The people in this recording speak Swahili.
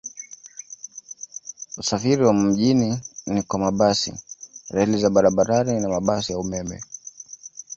Usafiri wa mjini ni kwa mabasi, reli za barabarani na mabasi ya umeme.